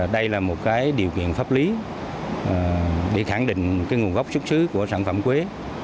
đây là một điều kiện pháp lý để khẳng định nguồn gốc xuất xứ của sản phẩm quế